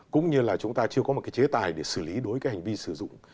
cũng như là chúng ta chưa có một cái chế tài để xử lý đối với hành vi sử dụng